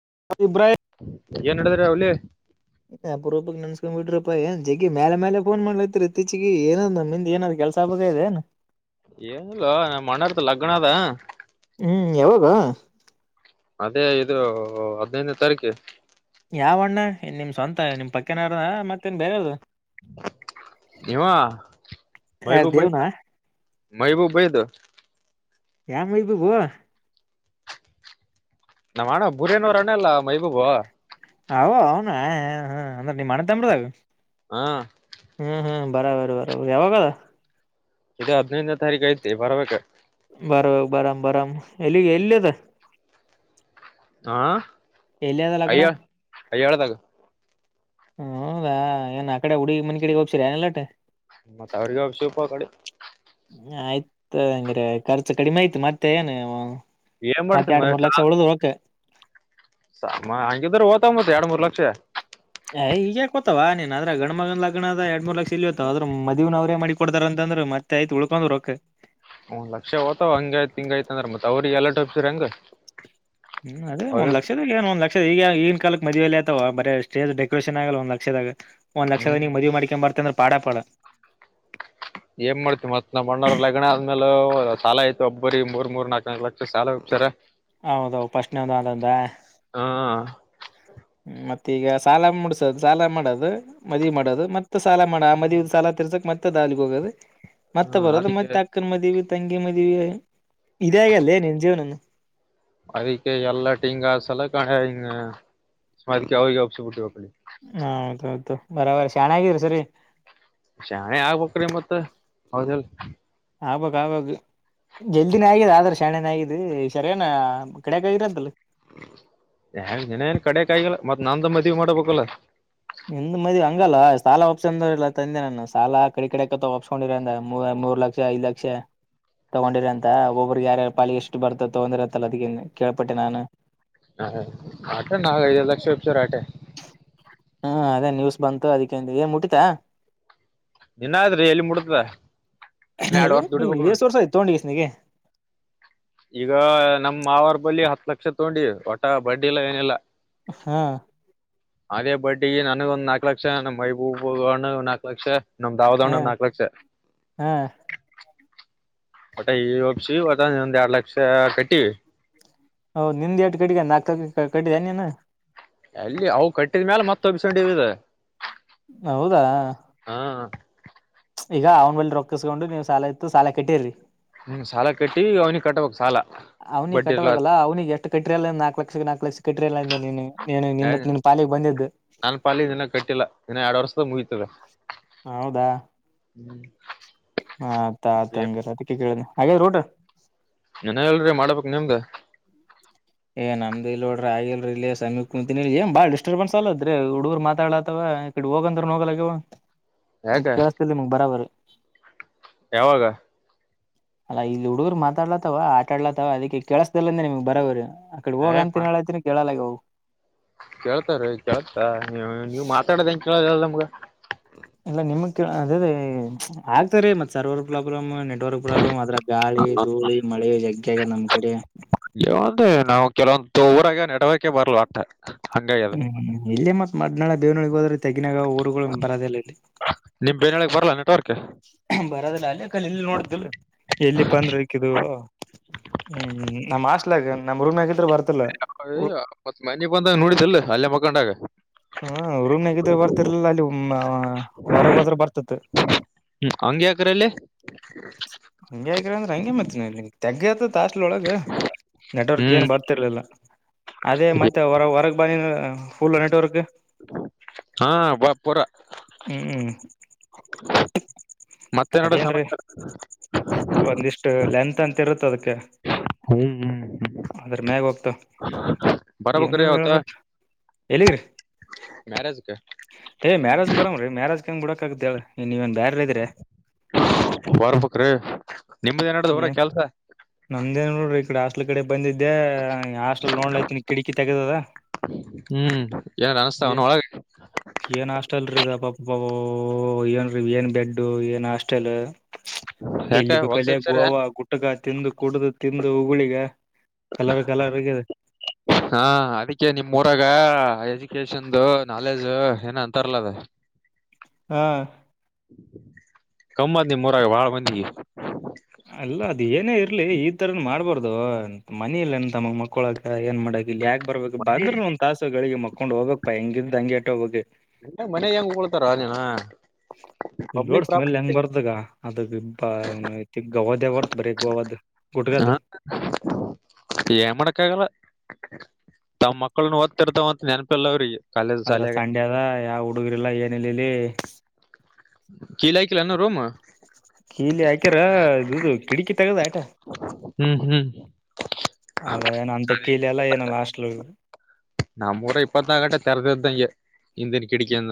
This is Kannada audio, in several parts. [unintelligible] ಏನ್ ನೆಡದ ಹುಲಿ ಅಪರೂಪಕ್ಕೆ ನೆನೆಸಿಕೊಂಡುಬಿಟ್ಟಿರಪ್ಪ ಏನ್ ಜಿಗ್ಗಿ ಮೇಲೆ ಮೇಲೆ ಫೋನ್ ಮಾಡಲತ್ರಿಇತೀಚಿಗೆ ಏನ್ ನಮ್ಮಿಂದ ಏನಾದ್ ಕೆಲ್ಸ ಆಗಬೇಕಿದೆನ್ ಏನಿಲ್ವೋ ನಮ್ಮ ಅಣ್ಣವರದು ಲಗ್ನಾಅದ ಹ್ಮ್ ಯಾವಾಗ ಅದೇ ಇದು ಹದಿನೈದನೆ ತಾರೀಕು ಯಾವಣ್ಣ ನಿಮ್ ಸ್ವಂತ ನಿಮ್ ಪಕ್ಕನಾರದ ಮತ್ತೇನ್ ಬೇರಾರ್ದ ನೀವ ಯಾರ್ ಬೈಗು ದೇವ್ನಾ [unintelligible] ಮಹಿಬೂಬ್ ಬೈದು ಯಾವ ಮಹಿಬುಬ್ ನಮ್ಮ್ ಅಣ್ಣ ಬುರೇನವ್ರಣಲ್ಲ ಮೈಬುಬೂ ಅ ಅವನ ಅವ ಅಂದ್ರ ನೀಮ್ಮ ಅಣ್ಣ ತಮ್ಮರಾಗ್ ಹಾ ಹ್ಮ್ ಹ್ಮ್ ಬರಬರ ಬರಬರ್ ಯಾವಾಗದ. ಈಗ ಹದಿನೈಂದನೇ ತಾರೀಕು ಐತಿ ಬರ್ಬೇಕು. ಬರ್ಬೇಕು ಬರ ಬರಾಮ್ ಬರಾಮ್ ಎಲ್ಲಿಗೆ ಎಲ್ಲಿದ. ಹಾ ಅಯ್ಯ ಅಯ್ಯಳ ದಾಗ. ಹೌದಾ ಏನ್ ಆಕಡೆ ಹುಡ್ಗಿ ಮನ ಕಡೆಗೆ ಒಪ್ಸಿದೆನು ಎಲ್ಲಟು. ಮತ್ತ ಅವ್ರಿಗೆ ಒಪ್ಸಿ ಪಾ ಆಕಡೆ. ಆಯ್ತ ತಗ ಹಂಗ್ರೆ ಖರ್ಚು ಕಡಿಮೆ ಆಯ್ತು ಮತ್ತೆ ಏನು. ಏನ್ ಮತ್ತ ಮಾಡ್ತಿ ಮ ಎರಡ್ ಮೂರ್ ಲಕ್ಷ ಉಳ್ದವು ರೊಕ್ಕ. ಹಂಗಿದ್ರ ಹೊತವ ಮತ್ ಎರಡ್ ಮೂರ್ ಲಕ್ಷ. ಹೇಯ್ ಈಗ್ಯಾಕೋತವ ನೀನ್ ಅದ್ರ ಗಣ ಮಗನ ಲಗ್ನದ ಎರಡ್ ಮೂರ್ ಲಕ್ಷ ಎಲ್ಲಿ ಹೋತವಾ ಮದುವೆನು ಅವ್ರೇ ಮಾಡಿ. ಕೊಡ್ತಾರ ಅಂತಂದ್ರ ಮತ್ತೆ ಆಯ್ತ ಉಳ್ಕೊಂಡ್ ರಕ್ಕ. ಒಂದ್ ಲಕ್ಷ ಹೋತವ ಹಂಗ ಆಯ್ತ್ ಹಿಂಗ ಆಯ್ತ ಅಂದ್ರ ಮತ್ತ್ ಅವ್ರಿಗೆ ಎಲ್ಲಟ್ ಒಪ್ಸಿದ್ರೆ ಹೆಂಗ. ಹ್ಮ್ ಅದೇ ಹೌದು ಒಂದ್ ಲಕ್ಷದ ಏನ್ ಒಂದ್ ಲಕ್ಷ ಈಗ. ಕಾಲಕ್ ಮದುವೆ ಎಲ್ಲಿ ಆತವಾ ಬರೇ ಸ್ಟೇಜ್ ಡೆಕೋರೇಷನ್ ಆಗಲ್ಲ ಒಂದ ಲಕ್ಷದಾಗ ಒಂದ ಲಕ್ಷದ ನಿನ್ ಹ್ಮ್ ಮದುವೆ ಮಾಡ್ಕೊಂಡು ಬರ್ತಿ ಅಂದ್ರೆ. ಪಾಡಪಡ. ಏನ್ ಮಾಡ್ತಿ ಮತ್ ನಮ್ ಅಣ್ಣಾರ ಲಗಣ ಆದ್ಮೇಲೆ. ಸಾಲ ಆಯ್ತು ಒಬ್ಬರಿ ಮೂರ್ ಮೂರ್ ನಾಲ್ಕ ನಾಕಕ್ ಲಕ್ಷ ಸಾಲ ಒಪ್ಸ್ಯರ. ಹೌದ ಹೌದ ಪಶ್ನೆವದಂದ. ಹಾ ಹ್ಮ ಮತ್ತ ಈಗ ಸಾಲ ಮುಡಸದು ಸಾಲ ಮಾಡೋದು ಮದಿವಿ ಮಾಡೋದು ಮತ್. ಮತ್ತ ಸಾಲ ಮಾಡ ಆ ಮದಿವಿ ಸಾಲ ತಿರ್ಸಕ್ ಮತ್ತೆ ದಾಲಿಗೆ ಹೋಗೋದ ಹಾ ಮತ್ತೆ ಬರೋದು ಅದಕ್ಕೆ ಮತ್ತೆ ಅಕ್ಕನ ಮದಿವಿ. ತಂಗಿ ಮದುವಿ ಇದೆ ಆಗ್ಯಾದ ನಿನ್ ಜೀವನನ್ನು. ಅದಕ್ಕೆ ಎಲ್ಲ ಟಿಂಗ ಸಲಕ ಹಣೆ ಅದ್ಕೆ ಅವ್ರಿಗೆ ಒಪ್ಸ ಬಿಟ್ಟವಿ ಆಕಡೆ. ಹ ಹೌದೌದು ಬರಾಬರಿ ಶಾಣಗಿರಿ ಈ ಸರಿ. ಶಾಣೆ ಆಗ್ಬೇಕರಿ ಮತ್ತ ಹೌದ ಇಲ್. ಆಗ್ಬೇಕು ಆಗ್ಬೇಕು. ಜಲ್ದಿನೇ ಆಗ್ಯಿದೆ ಆದ್ರೆ ಶಣೆನ ಆಗಿದ ಈ ಸರಿ ಎನಾ ಕಡ್ಯಕ ಆಗಿರಂತಲ್ಲ. ಯನ್ ಇನ್ನ ಏನ್ ಕಡೆ ಕಾಗಿಲ್ಲ ಮತ್ತ್ ನಂದ್ ಮದ್ವಿ ಮಾಡಬೇಕಲ್ಲ. ನಿಂದ ಮದವಿ ಹಂಗಲ್ಲ ಸಾಲ ಒಪ್ಸಂದು ತಂದೆ ನಾನ ಸಾಲ ಆಕಡೆ ಈಕಡೆಕ ಒಪ್ಸ್ಕೊಂಡಿರಂದ ಮೂವ. ಮೂರು ಲಕ್ಷ ಐದ್ ಲಕ್ಷ. ತಗೊಂಡಿರ ಅಂತ ಒಬ್ಬ್ರಗ್ ಯಾರ್ಯಾರ ಪಾಲಿ ಎಷ್ಟು ಬರ್ತ ತಗೊಂಡಿರ ಅಂತಲ್ಲ ಅದಕ್ಕ ಕೇಳ್ಪಟ್ಟೆ ನಾನು. ಹಾ ಆಟ ನಾಗ ಐದೈದು ಲಕ್ಷ ರೂಪಯಿ ಒಪ್ಸಾರ ಆಟೆ. ಹ್ಮ ಅದೇ ನೀವ್ಸ್ ಬಂತು ಅದಕ್ಕ ಅಂದಿವಿ ಏನ್ ಮುಟ್ಟಿತ. ನಿನ್ನಾದ್ರಿ ಎಲ್ಲಿ ಮುಡತದ ಇನ್ನ ಎರಡ್ ವರ್ಷ ದುಡಿಬೇಕ್ ನೋಡ್ ಹೆಸ್ ವರ್ಷ ಆಯ್ತು ತಗೊಂಡಿಗೆಸಿ. ನಗೆ. ಈಗ ನಮ್ ಮಾವಾರ್ ಬಲ್ಲಿ ಹತ್ ಲಕ್ಷ ತಗೊಂಡಿ ಹೊಟ ಬಡ್ಡಿಲ್ಲ ಏನಿಲ್ಲ. ಹಾ. ಅದೇ ಬಡ್ಡಿಗೆ ನನಗ ಒಂದ್ ನಾಕ್ ಲಕ್ಷ ನಮ್ ಮೈಬೂಬ್ಬಣ ನಾಕು ಲಕ್ಷ. ನಮ್ ಹಾ ದಾವದಾಣ್ಣನು ನಾಲ್ಕು ಲಕ್ಷ. ಹಾ ಒಟ ಈಗ ಒಪ್ಸಿವಿ ಒಟ್ ಒಂದ್ ಎರಡ್ ಲಕ್ಷ ಕಟ್ಟಿವಿ. ಹೌದು ನಿಂದ್ ಎಟು ಕಟ್ಟಿಗೆಂಡಿದಿ ನಾಕ ಕಟ್ಟಿದ ಏನು ನೀನು. ಎಲ್ಲಿ ಅವು ಕಟ್ಟಿದ್ಮೇಲ ಮತ್ತ ಒಪ್ಸಿಕೊಂಡಿವಿ ಇದು. ಹೌದಾ. ಹಾ ಈಗ ಅವ್ನ ಬಲ್ಲಿ ರೊಕ್ಕಿಸಸ್ಕೊಂಡು ನೀವ್ ಸಾಲ ಇತ್ತು ಸಾಲ ಕಟ್ಟಿರಿ. ಹ್ಮ ಸಾಲ ಕಟ್ಟಿ ಅವ್ನಿಗೆ ಕಟ್ಟಬೇಕ್ ಸಾಲ. ಅವ್ನಿಗೆ ಬಡ್ಡಿ ಇರ್ಲಾರ್ದ ಕಟ್ಟಬೇಕಲ್ಲ ಅವನಿಗೆ ಎಷ್ಟ ಕಟ್ಟರಿ ಅಲ್ಲ ನಾಕ್ ಲಕ್ಷಕ್ಕ ನಾಕ್ ಲಕ್ಷ ಕಟ್ಟಿರಿ ಅಲಾ ಅಂದೆ. ನೀನು ನೀನು ನಿಂದ ನಿನ್ ಪಾಲಿಗೆ ಬಂದಿದ್ದು ನಾನ್ ಪಾಲಿದು ಇನ್ನ ಕಟ್ಟಿಲ್ಲ ಇನ್ನ ಎರಡ್ ವರ್ಷದಾಗ ಮುಗಿತದ. ಹೌದಾ ಆತಾತ್ಂಗರ ಅದಕ್ಕೆ ಕೇಳಿದೆ. ಆಗ್ಯಾದ್ರಿ ಊಟ. ಇನ್ನ ಇಲ್ರಿ ಮಾಡಬೇಕ್ ನಿಮ್ದ. ಏ ನಮ್ದ ಇಲ್ ನೋಡ್ರಿ ಆಗಿಲ್ರಿ ಇಲ್ಲಿ ಸಮಯಿ ಕುಂತಿನಿ ಎನ್ ಬಾಳ್ ಡಿಸ್ಟರ್ಬನ್ಸ ಆಗ್ಲತದ್ರಿ ಹುಡುಗರು ಮಾತಾಡ್ಲತವ ಈ ಕಡೆ. ಹೋಗಂದ್ರ ನೋಗಲವ ಯಾಕ ಏನ್ ಕೆಳಸ್ತಿಲ್ಲ ನಿಮಗ್ ಬರೋಬರಿ. ಯಾವಾಗ. ಅಲ್ಲ ಇಲ್ಲಿ ಹುಡುಗರು ಮಾತಾಡ್ಲತ್ತವ ಆಟ ಆಡ್ಲತ್ತವ ಅದಕ್ಕೆ ಕೆೇಳಸ್ದಲ್ಲಂದೆ ನಿಮ್ಗ್ ಬರೋಬರಿ. ಅಕಡೆ ಹೋಗ ಏ ಅಂತ ಹೇಳಾತಿನಿ ಕೆಳಾಗ್ಯವ ಅವೂ. ಕೇಳ್ತಾರೀ ಕೇಳ್ತ ನೀ ನೀವ್ ಮಾತಾಡೋದ ಹೆಂಗ ಕೇಳದಲ್ ನಮ್ಗ. ಇಲ್ಲ ನಿಮ ಕ ಅದೇ ಅದೇ ಆಗ್ತಾರೆ ಮತ್ತ ಸರ್ವರ್ ಪ್ರಾಬ್ಲಮ್. ನೆಟ್ವರ್ಕ್ ಪ್ರಾಬ್ಲಮ್ ಅದರಾಗ ಗಾಳಿ ಧಳಿ ಮಳೆ ಜಗ್ಗೆ ಅಗೆದ ನಮ್ ಕಡೆ. ಅಂದೆ ನಾವು ಕೆಲವೊಂದು ಊರಾಗ ನೆಟ್ವರ್ಕ್ಕೆ ಬರ್ಲ್ಲ ಅಂತ. ಹ್ಮ್ ಇಲ್ಲೇ ಮತ್ ಮದನಾಳ ದೇವನಹಳ್ಳಿಗ ಹೋದ್ರ. ತೆಗ್ಗಿನಾಗ ಊರುಗಳು ಬರೋದಿಲ್ಲ ಇಲ್ಲಿ. ನಿಮ್ ಬೆನ್ಯಾಳಗ್ ಬರ್ಲಾ ನೆಟ್ವರ್ಕ್ ಬರೋದಿಲ್ಲ ಅಲ್ಲೆ. ಇಲ್ಲಿ ನೋಡಿದ್ರಿ ಇಲ್ ಎಲ್ಲಿ ಪಾ ಅಂದ್ರ ಇಕಿದು ಬಂದ್ರಕ್ಕು ಹ್ಮ್ ನಮ್ ಹೋಸ್ಟ್. ನಮ್ಮ ರೂಮ್ದಾಗಿಂದ ಬರ್ತ್. ಅಯ್ಯಿ ಮತ್ತ ಮನಿಗ್ ಬಂದಾಗ ನೋಡಿದೀಲ್ ಅಲ್ಲೇ ಮಕ್ಕಂಡಾಗ. ಹ್ಮ ರೂಮ್ ನ್ಯಾಗ ಇದ್ದಿದ್ರ ಬರ್ತಿರ್ಲಿಲ್ಲ ಅಲ್ಲಿ ಹೊರಗೆ ಹೋದ್ರೆ ಬರ್ತಿತ್. ಹಾಂಗ್ಯಾಕ್ರಿ ಅಲ್ಲೆ. ಹಾಂಗ್ಯಾಕ್ರಿ ಅಂದ್ರೆ ಹಂಗೆ ಮಾಡರ್ತಿನನಗೆ ತಗ್ಗತ. ತಾಸ್ಲೊಳಗ ನೆಟ್ವರ್ಕ್ ಹ್ಮ್ ಏನ್ ಬರ್ತಿರ್ಲಿಲ್ಲ. ಅದೇ ಮತ್ತೆ ಹೊರ ಹೊರಗ ಬನಿ ಅಂದ್ರ ಫುಲ್ ನೆಟ್ವರ್ಕ್. ಹಾ. ಬಾ ಪುರ ಹ್ಮ್ ಮತ್ತೆ ನಡ ಸಂ. ಅದೇನ್ರೀ ಒಂದಿಷ್ಟು ಲೆಂತ್ ಅಂತ ಇರುತ್ತ ಅದಕ್ಕ. ಹ್ಮ್ ಹ್ಮ್. ಅದ್ರ ಮ್ಯಾಗ ಹೋಗ್ತ ಏನ್ ಬರಬೇಕ್ರಿ ಅವತ್ತ ಹೇಳ್ಬೇಕ ಎಲ್ಲಿಗ್ರಿ. ಮ್ಯಾರೇಜ್ ಕ. ಹೇ ಮ್ಯಾರೇಜ್ ಬರೋಂಗ ರೀ ಮ್ಯಾರೇಜ್ ಕ ಹೆಂಗ ಬಿಡಕಾಗ್ದ ಹೇಳ. ನೀವೇನ್ ಬ್ಯಾರೆ ಇದ್ರಿ ಬರ್ಬೇಕ್ರಿ ನಿಮ್ದ ಏನ್ ನಡ್ದ ಊರಾಗ ಕೆಲ್ಸ. ನಮ್ದೇನ ಇಲ್ಲ ನೋಡ್ರಿ ಈ ಕಡೆ ಹಾಸ್ಟಲ್ ಕಡೆ ಬಂದಿದ್ದ. ಇದೇ ಹಾಸ್ಟಲ್ ಲೋನ್ಲಐತನ ಕಿಟಕಿ ತೆಗೆದದ. ಹ್ಮ್ ಏನ್ ಏ ಅನಸ್ತಾವನ ಒಳಗ ಏನ್ ಹಾಸ್ಟೆಲ್ರೀ ಇದ ಪಾ. ಅಬ್ಬಬ್ಬಾ ಏನ್ರಿ ಏನ್ ಬೆಡ್ ಏನ್ ಹಾಸ್ಟೆಲ್. ಯಾಕ ಎಲ್ಲಿ ಬೇಕಲ್ಲ ಹೊಲ್ಸೇಬ್ ಸರ್ ಗೋವಾ ಗುಟ್ಕಾ ತಿಂದು. ಕುಡ್ದು ತಿಂದು ಉಗುಳಿಗ ಕಲರ್ ಕಲರ್ ಅಗೆದ. ಹಾ ಅದಕ್ಕೆ ನಿಮ್ಮ್ ಊರಗ ಎಜುಕ. ಚಂದ ನಾಲೆಜ್ ಏನ ಅಂತಾರಲ ಅದ. ಹಾ. ಕಮ್ಮತ್ ನಿಮ್ಮ ಊರಾಗ ಬಾಳ ಮಂದಿಗ್. ಅಲ್ಲ ಅದ ಏನೇ ಇರ. ಲಿ ಈ ತರ ಮಾಡ್ಬಾರ್ದದು ಮನೀ ಇಲ್ ಏನ್ ತಮ್ಮಾ ಮಕ್ಕೋಲಾಕ್ ಏನ್ ಮಾಡಕ. ಇಲ್ಲಿ ಯಾಕ ಬರ್ಬೇಕ ಬಂದ್ರನು ಒಂದ ತಾಸ ಗಳಿಗೆ ಮಕೊಂಡ್ ಹೋಗಬೇಕ ಪಾ ಹಿಂಗಿಂದ ಅಂಗೆ ಆಟ ಹೋಗಬೇಕ. ಎಟ ಮನೆ ಹೆಂಗಗೆ ಉಗುಳ್ತಾರ ನೀನ. ಇ ಪಬ್ಲಿಕ್ ಲೋಡ್ ಸ್ಮೆಲ್ ಹೆಂಗ್ ಬರ್ದಗ. ಅದು ಬಿಬ ಗವಾದ ಅವರತ್ ಬರೀ ಗೋವಾಾದ ಗುಟುಕಾದ. ಪ್ರಾಪರ್ಟಿ ಏನ್ ಮಾಡಕ ಆಗಲ್ಲ ತಮ್ಮ್ ಮಕ್ಕಳನು ಓದ್ತಿರ್ತವ ಅಂತ ನೆನಪಿಲ್ಲ ಅವ್ರಿಗೆ. ಕಾಲೇಜ್ ಅದ್ರಾಗ ಶಾಲ್ಯಾಗ ಸಂಡೆ ಅದ ಯಾವ ಹುಡುಗರಿಲ್ಲ ಏನೀಲ್ಲ ಇಲ್ಲಿ. ಕೀಲಿ ಹಾಕ್ಕಿಲ್ಲ ಏನು ರೋಮ್. ಕೀಲಿ ಹಾಕ್ಯಾರ ಇದು ಕಿಟಕಿ ತಗದ ಆಟ. ಹ್ಮ್ ಹ್ಮ್ ಅದ ಏನ ಅಂತ ಕೀಲಿ ಎಲ್ಲ ಏನ ಹಾಸ್ಟಲ್ಡು. ನಮ್ಮೂಊರ ಇಪ್ಪತನಾಕ್ಲು ಗಂಟೆ ತೆರೆದ ಇದಿದ್ದಂಗೆ ಹಿಂದಿನ ಕಿಟಕಿಂದ.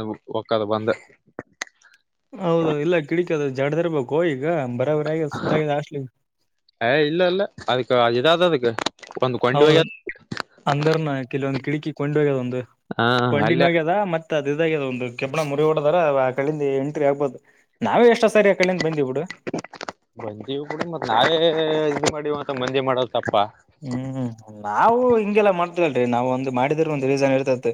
ಹೌದು ಇಲ್ಲ ಕಿಡಿಕ ಅದು ಜಡದರ್ಬೇಕು ಹೋಗಿ. ಈಗ ಬರಾಬರ ಆಗ ಸುತ್ತ ಲಾಸ್ಲಿ ಏ ಇಲ್ಲ ಇಲ್ಲ ಅದಕ್ಕ ಇದಾದ ಅದಕ್ಕ ಒಂದ್ ಕೊಂಡಿ ಹೌದ ಹೋಗ್ಯದ ಅಂದರ್ನ ಕೆಲೊಂದು ಕಿಡಿ ಅಕ್ಕಿ ಕೊಂಡ ಹೋಗ್ಯದ ಒಂದು ಹಾ ಅಲ್ಲೇ ಕೊಂಡಿನ ಹೋಗ್ಯದ ಮತ್ತೆ ಅ ಇದ ಒಂದು ಕೆಬ್ಣ ಮುರಿ ಡದಾರ ಕಳಿಂದ ಎಂಟ್ರಿ ಆಗ್ಬಹದು ನಾವೇ ಎಷ್ಟ ಬಂದೀವಿ ಕೂಡಿ ಮತ್ ನಾವೇ ಇ ಮಾಡೀ ಮತ್ತ ಮಂದೆ ಮಾಡ ಹ್ಮ್ ನಾವು ಹಿಂಗೆಲ್ಲ ಮಾಡ್ತವಲ್ರರಿ ನಾವ್ ಒಂದು್ ಮಾಡಿದ್ರ ಒಂದ ರೀಸನ್ ಇರ್ತೈತಿ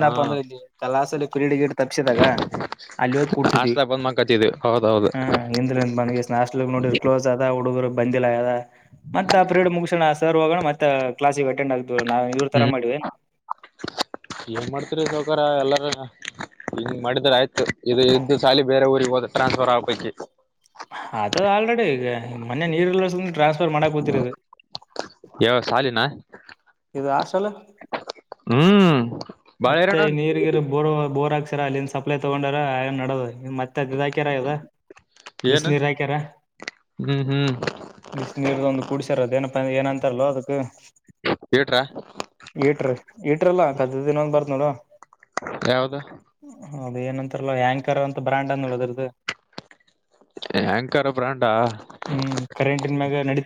ಹಾ ಅಂದ್ರೆ ಇಲ್ಲಿ ಕಲಾಸಲ್ಲಿ ಫ್ರೀಡ್ ಗಿಡ್ ತಪ್ಸಿದಾಗ ಅಲ್ಲಿ ಹೋಗಿ ಕೂಡ್ತಿದ್ವಿ ಹಸ್ತಾ ಬಂದ್ ಮಕತ್ತವಿ ಹ ಇ್ರ ಬಂದ ನಾಸ್ಟ್ಲ್ ನೋಡ ಕ್ಲೋಸ್ ಅದ ಹುಡುಗರು ಬಂದಿಲ್ಲ ಮ ಮುಗ ಣ ಸರ್ ಹೋಗೋಣ ಮತ್ತೆ ಕ್ಲಸಗೆ ಅಟೆಂಡ್ ಆಗ್ತ ನಾವು ಇವ್ರ ತರ ಹ್ಮ್ ಮಾಡಿವ ಏನ್ ಮಾಡ್ತರಿ ಸೌಕಾರ ಎಲ್ಲ ಹನ್ ಮಾಡಿದ್ರ ಆಯ್ತು ಇದು ಇದ್ದು ಸಾಲಿ ಬೇರೆ ಊರಿಗೆ ಹೋದ ಟ್ರಾನ್ಸ್ಫರ್ ಆಗ್ಬಿಟ್ಟತೆ ಅದದು ಆಲ್ರೆಡಿ ಈಗ ಮನ್ ನೀರ್ಲ್ಲ ಟ್ರಾನ್ಸ್ಫರ್ ಮಾಡಾ ಕುೂತಿರುದು ಯಾವ ಸಾಲಿನ ಇದು ಆ ಸಲ ಹ್ಮ್ ಬಾಳ ಮತ್ತೆ ಹೈರಾಣ ನೀರಿಗಿರು ಬೋರ್ ಬೋರಕ್ ಅಲ್ಲಿಂದ ಸಪ್ಲೈ ತಗೊಂಡಾರಏನ್ ಮಾಡೋದು ಮತ್ತೆ ಅದ ರಾಯಕರ ಇದ ಏನು ಬಿಸಿನೀರ್ ಅಕ್ಯರ ಹ್ಮ್ ಹ್ಮ್ ಬಿಸ ನೀರ್ದು ಒಂದು ಕೂಡ್ಸಾರದ ಏನಪ್ಪ ಏನಂತಾರಲ್ಲೋ ಅದಕ್ ಇಟ್ರ ಇಟ್ರ ಇಟ್ರಲ್ಲ ಕದ್ದ ದಿನ ಒಂದ ಬರ್ತ್ ನೋಡು ಯಾವ್ದ ಹೌದ ಏನಂತಾರಲ್ಲ ಹ್ಯಾಂಕರ್ ಅಂತ ಬ್ರ್ಯಾಂಡ್ ಅಂದಡದ್ರದು ಆಂಕರ್ ಬ್ರಾಂಡ ಹ್ಮ್ ಕರೆಂಟನ್ ಮ್ಯಾಗ ನಡ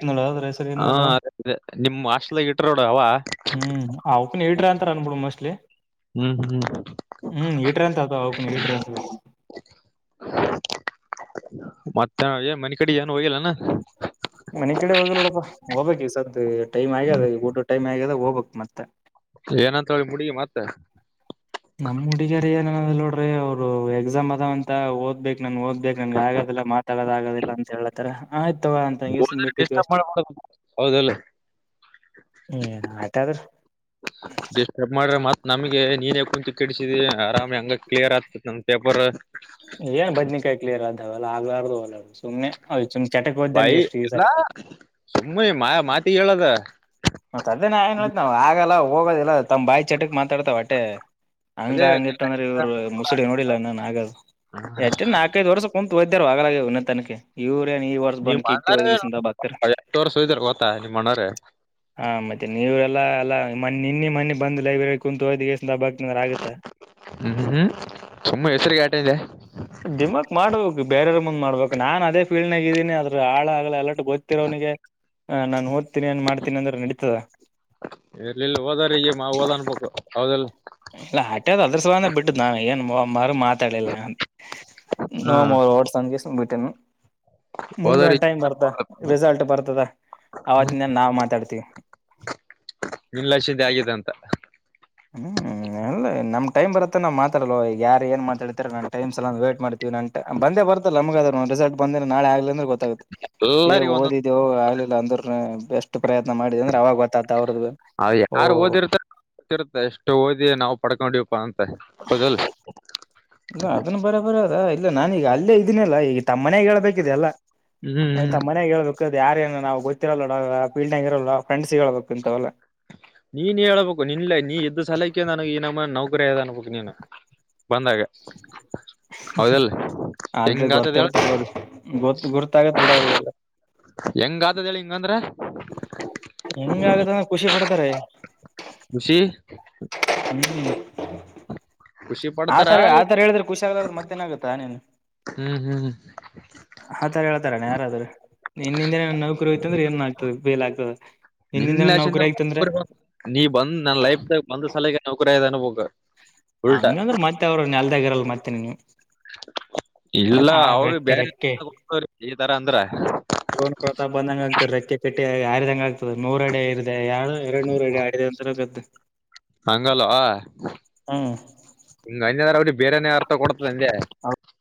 ಹಾದ ನಿಮ ಆಸ್ಲ್ದಾಗ ಇಟ್ರೋಡ ಅವ ಹ ಪನ್ ಹೇಳ್ರ ಅಂತ ಅನ್ಬಿ ಮೋಸ್ಟ್ಲಿ ಹ್ಮ್ ಹ್ಮ್ ಹ್ಮ್ ಹೀಟರ್ ಅಂತ ಅದ ಅವಕ ಹೀಟರ್ ಅಂತ ಮತ್ತ ಏ ಮನೆ ಕಡೆ ಏನು ಹೋಗಿಲ್ಲಾನ ಮನೆ ಕಡೆ ಹೋಗ ನೋಡಪ್ಪಾ ಹೋಗ್ಬೇಕ ಈ ಸದ್ ಟೈಮ್ ಆಗ್ಯದ ಈ ಊಟ ಟೈಮ್ ಆಗ್ಯದ ಹೋಗ್ಬೇಕಕ್ ಮತ್ತೆ ಏನಂತಿ ಮುಡಿಗಿ ಮತ್ತೆ ಅವರು ಎಕ್ಸಾಮ್ ಅದಾವಂತ ಓದ್ಬೇಕು ನನ್ಗೆ ಓದ್ಬೇಕಕ್ ನನ್ಗೆ ಆಗೋದಿಲ್ಲ ಮಾತಾಡೋದ ಆಗದಿಲ್ಲ ಅಂತ ಹೇಳತ್ತಾರೆ ಆಯ್ತು ತವಾ ಅಂತಂಗ ಸು್ ಹೋದ್ರ ಬಿಟ್ಟತ್ತುವಿ ಡಿಸ್ಟರ್ಬ್ ಅಷ್ಟೇ ಮಾಡಬಾರ್ದು ಹೌದಲ್ಲ ಹ್ಮ್ ಆಯ್ತಾದ್ರೆ ನಮ್ಗೆ ನೀನ್ ಯ ಕುಂತ ಕೆಡಸಿದಿ ಆರಾಮ ಹಂಗ ಕ್ಲಿಯರ್ ಆಗ್ತತ್ ನಮ ಪೇಪರ್ ಏನ್ ಬದ್ನಕಾಯಿ ಕ್ಲಿಯರ್ ಆದಾವಲ್ಲ ಆಗ್ ಆ ಸುಮ್ಮ್ನೆ ಅದು ಸುಮ್ಮನೆ ಚಟಕ್ಕೆ ಓದ್ದಂಗಗೆ ಬಾಯಿ ಜಸ್ ಈ ಸಾರಿ ಟೀ ಹೇಳದ ದೇ ನೋತ್ ನಾವ್ ಆಗಲ್ಲ ಹೋಗೋದಿಲ್ಲ ತಮ್ಮ ಬಾಯಿ ಚಟ ಮಾತಾಡ್ತಾವ ಅಟ್ಟೆ ಹಂಗ ಅದೇ ಹಂಗ ಇತ್ತ ಅಂದ್ರೆ ಇವ್ರು ಮುಸಡಿ ನೋಡಿಲ್ಲ ನಾನನ್ ಆಗದು ಹೆಚ್ಚ ನಾಕೈದ್ ವರ್ಷ ಕುಂತು ಹಯ್ತ ಆಗಲ ಉನ್ನತನಕ್ಕೆ ಇವರು ನೀ ಮಾಡಣ್ಣಾರ ಎತ್ತು ವರ್ಷ ಹೋಯ್ದಾರ ಗೊತ್ತಾ ನೀವ್ ಅಣ್ಣಾರ ಹ ಮತ್ತೆ ನೀವರೆಲ್ಲಾ ಎಲ್ಲ ಮ ನಿನ್ನ ಮನೆ ಬಂದು ಲೈಬ್ರೆರಿ ಕುೂಂತು ಹೋದ ಹ್ಮ್ ಸುಮ್ಮ ಹೆಸರಿಗ ಆಟದೆ ದಿಮಾಕ್ ಮಾಡ್ಬೇಕು ಬೇರ್ರ ಮುಂದ್ ಮಾಡ್ಬೇಕು ನಾನ್ ಅದೇ ಫೀಲ್ಡ್ ನಾಗಿದ್ದೀನಿ ಅದ್ರ ಆಳ ಅಗಲ ಎಲ್ಲ ಗೊತ್ತತಿರೋ ಅವನಿಗೆ ನಾನನ್ ಓದತನಿಏನ್ ಮಾಡ್ತೀನಿ ಅಂದ್ರೆ ನಡತದ ಇರ್ ಇಲ್ಲ ಹೋದಾರ ಈ ಮಾ ಓದ ಅನ್ಬೇಕು ಅವೌದೆಲ್ಲ ಮಾರು ಮಾತಾಡಿಲ್ಲ ಹಾ ನವು ಮೂರು ಸಂದಸ ಬಿಟ್ಟ ಮುಂದ ಒಂದ ಹೋದವ್ರಿಗೆ ಟೈಮ್ ಬರ್ತ ರಿಸಲ್ಟ್ ಬರ್ತದ ಆವತ್ತಿಂದ ನಾವವು ಮಾತಾಡ್ತಿವಿ ನಿಲ್ಲಿಸಿದ್ದ ಹಾಗ ಹ್ಮ್ ಅಲ್ಲ ನಮ್ ಟೈಮ್ ಬರತ್ತ ನಾ್ ಮಾತಾಡವ ಯಾರ ಏನ್ ಮಾತಾಡ್ತಾರೆ ನ ಟೈ ಸಲ ವೇಟ್ ಮಾಡ್ತೀವಿ ಬಂದೆ ಬಂದೇ ಬರ್ತಲ್ಲ ನಮಗದಂದು ರಿಸಲ್ ಬಂದ ನಾಳೆ ಆಗ್ಲಿ ಅಂದ್ರೆ ಗೊತ್ತಾಗುತ್ತೆ ಏ ಎಲ್ಲರಿಗ ಒಂದೊಂದ್ ಓದಿದ್ಯ ಆಗ್ಲಿಲ್ಲ ಅಂದ್ರ ಬೆಸ್ಟ್ ಪ್ರಯತ್ನ ಮಾಡಿದೆ ಅಂದ್ರೆ ಅವಾಗ ಗೊತ್ತಾಗತ ಅವ್ರದ ಓ ಇಷ್ಟ ಓದಿ ನಾವು ಪಡ್ಕೊಂಡಪ್ಪ ಅಂತ ಹೌದಲ್ಲ ಇಲ್ಲ ಅದನ್ನ ಬರ ಬರದ ಇಲ್ಲ ನಾನೀಗ ಅಲ್ಲೇ ಇದಿನನಲ್ಲ ಈಗ ತಮ್ಮಮನೆಯ್ಯಗ್ ಹೇಳ್ಬೇಕ್ ಯಿಂದೆಲ್ಲಾ ಹ್ಮ್ ಅಂತ ಹ್ಮ್ ತಮ್ಮನಯಾಗ ಹೇಳ್ಬೇಕ ಯಾರ ಏನ ನಾವು ಗೊತ್ತಿರಲ್ ಫೀಲ್ಡ್ನೆಗ್ ಇರಲ ಫ್ರೆಂಡ್ಸ್ ಗೆ ಹೇಳ್ಬೇಕ್ ಇಂಥವೆಲ್ಲ ನೀನ್ ಹೇಳ್ಬೇಕು ನಿನ್ ನೀ ಇದ್ದ ಸಲಕ್ಕೆ ನನಗೆ ಇನಮ್ಮ ನೌಕರಿ ಅದ ಅನ್ಬೇಕು ನೀನು ಬಂದಾಗ ಹೌದಲ್ ಅಲ್ರಿ ಹೆಂಗ ಆತದ ಹೇಳ ಗೊತ್ತಿರ್ತೋ ಗೊ ಗೊರ್ತ್ತ ಆಗತ್ ಬಿಡ ಅವ್ರಿಗೆಲ್ಲ ಹೆಂಗ ಆತದ ಹೇಳಿ ಹಿಂಗಂದ್ರ ಹೆಂಗ ಆಗತ್ತಂದ್ರ ಖುಷಿ ಪಡ್ತಾರೆ ಖುಷಿ ಹ್ಮ ಖುಷಿ ಪಡ್ತಾರ ಆತರ ಆತರ ಹೇಳಿದ್ರೆ ಖುಷಿ ಆಗ್ದಾರ ಮತ್ತ್ಯಾನ ಆಗುತ್ ನಿನ್ ಹ್ಮ್ ಹ್ಮ್ ಹತರ ಹೇಳ್ತಾರ ಯಾರಾದ್ರರು ನಿನ್ನಿಂದೇ ನೌಕರು ಹೋಯಿತ್ ಅಂದ್ರೆ ಏನ್ ಮಾಡ್ತ್ ಬೇಲ್ ಆ್ತದೆ ನಿನ್ನ ನೀ ಬಂದ್ ನನ್ ಲೈಫಾಗ ಬಂದ್ ಸಲಿಗೆ ನೌಕರಿಯನ್ ಹೂಗ್ ಹಂಗಂದ್ರ ಮತ್ತೆ ಅವರು ನೆಲ್ದಾಗಿ ಇರಲ್ ಮತ್ತೆ ನೀವು ಇಲ್ಲ ಅವ್ರ ಬೇರೆ ಈ ತರ ಅಂದ್ರ ಡ್ರೋನ್ ಪ್ರಾತಾಪ್ ಬಂದಂಗ ಆಗ್ತದೆ ರೆಕ್ಕ ಪಟ್ಟೆ ಯಾರಿದಂಗ ಆಗ್ತದೆ ನೂರ ಅಡೆ ಇ ಅ ಎರು ಎರಡು ನೂರ ಎಐ ಅಂತರದ್ದೆ ಹಂಗಲ್ಲ ಹಂಗ ಹ್ಮ್ [unintelligible] ಬೇರೆನೆ ಅರ್ಥ ಕೊಡ್ತದೆ ಹಂಗೆ